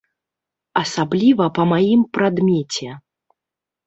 Асабліва па маім прадмеце.